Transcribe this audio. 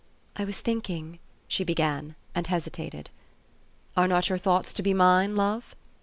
" I was thinking," she began, and hesitated. " Are not your thoughts to be mine, love?